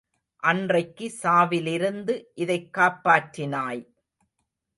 அன்றைக்கு சாவிலிருந்து இதைக் காப்பாற்றினாய்!